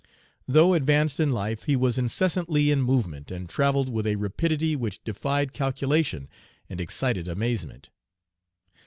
Though advanced in life, he was incessantly in movement, and travelled with a rapidity which defied calculation and excited amazement.